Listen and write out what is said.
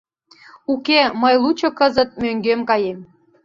— Уке, мый лучо кызыт мӧҥгем каем.